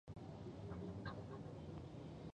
خوشال هم د واکمن ټولنيز کلچر له مخې